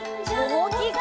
おおきく！